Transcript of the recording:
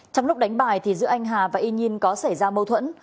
trong lúc đánh bài thì giữa anh hà và y nhin có xảy ra mâu thuẫn